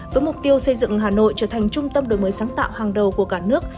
với mục tiêu xây dựng hà nội trở thành trung tâm đổi mới sáng tạo hàng đầu của cả nước